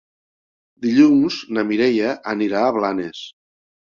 Dilluns na Mireia anirà a Blanes.